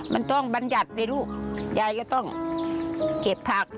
มันต้องบรรยัติเลยลูกยายก็ต้องเก็บผัก